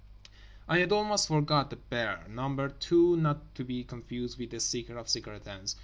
I had almost forgot The Bear—number two, not to be confused with the seeker of cigarette ends.